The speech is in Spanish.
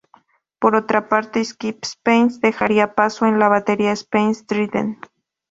Por otra parte Skip Spence, dejaría paso en la batería a Spencer Dryden.